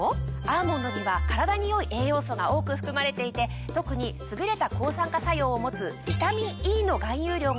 アーモンドには体に良い栄養素が多く含まれていて特に優れた抗酸化作用を持つビタミンＥの含有量が非常に多いんです。